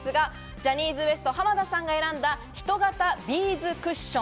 ジャニーズＷＥＳＴ・濱田さんが選んだ、人型ビーズクッション。